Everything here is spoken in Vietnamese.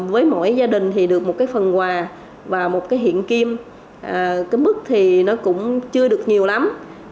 với mỗi gia đình thì được một phần quà và một hiện kim mức thì nó cũng chưa được nhiều lắm